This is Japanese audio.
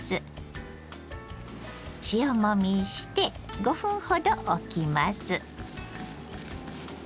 塩もみして５分ほどおきます。